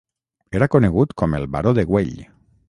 Era conegut com El baró de Güell.